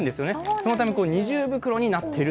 このため二重袋になっている。